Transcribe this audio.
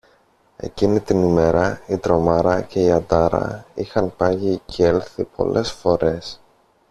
εκείνη την ημέρα η «Τρομάρα» και η «Αντάρα» είχαν πάγει κι έλθει πολλές φορές